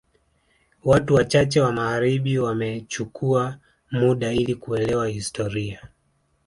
Watu wachache wa magharibi wamechukua muda ili kuelewa historia